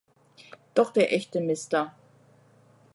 Doch der echte Mr.